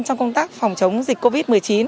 trong công tác phòng chống dịch covid một mươi chín